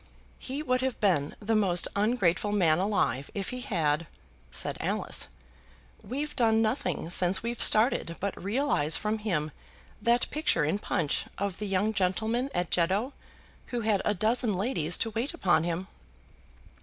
"He would have been the most ungrateful man alive if he had," said Alice. "We've done nothing since we've started but realize from him that picture in 'Punch' of the young gentleman at Jeddo who had a dozen ladies to wait upon him."